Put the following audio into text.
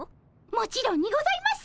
もちろんにございます！